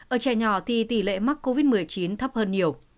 ở trẻ nhỏ thì tỷ lệ mắc covid một mươi chín thấp hơn nhiều